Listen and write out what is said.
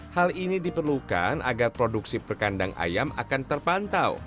hal ini diperlukan agar produksi perkandang ayam akan terpantau